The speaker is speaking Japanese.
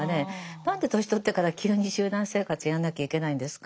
何で年取ってから急に集団生活やんなきゃいけないんですか。